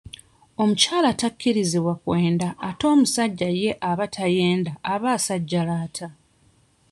Omukyala takkirizibwa kwenda ate omusajja ye aba tayenda aba asajjalaata.